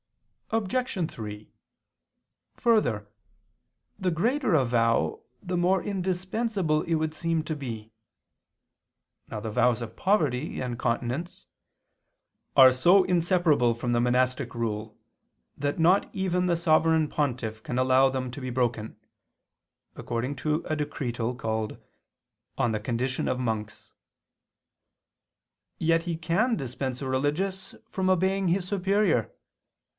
Obj. 3: Further, the greater a vow the more indispensable it would seem to be. Now the vows of poverty and continence "are so inseparable from the monastic rule, that not even the Sovereign Pontiff can allow them to be broken," according to a Decretal (De Statu Monach., cap. Cum ad monasterium): yet he can dispense a religious from obeying his superior.